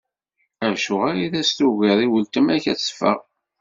Acuɣer i as-tugiḍ i weltma-k ad teffeɣ?